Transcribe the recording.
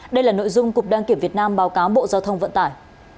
đây là nội dung cục đăng kiểm việt nam báo cáo bộ giao thông vận tải